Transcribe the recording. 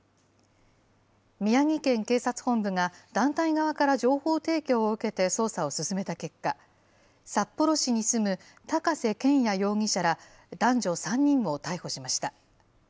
宮城県警察本部が団体側から情報提供を受けて捜査を進めた結果、札幌市に住む高瀬拳也容疑者ら男女３人を逮捕しました。